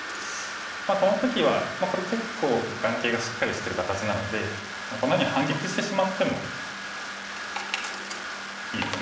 この時はこれ結構眼形がしっかりしてる形なのでこんなふうに反撃してしまってもいいですね。